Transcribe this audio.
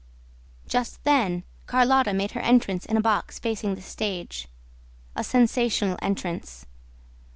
Just then, Carlotta made her entrance in a box facing the stage, a sensational entrance.